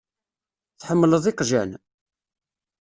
Tḥemmleḍ iqjan?